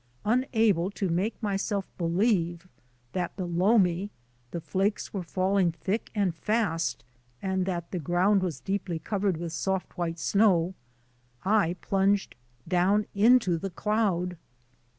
Unable to make myself believe that below me the flakes were falling thick and fast and that the ground was deeply covered 54 THE ADVENTURES OF A NATURE GUIDE with soft white snow, I plunged down into the cloud.